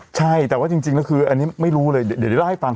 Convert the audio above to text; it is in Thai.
ใช่แต่ว่าจริงแล้วคืออันนี้ไม่รู้เลยเดี๋ยวเล่าให้ฟัง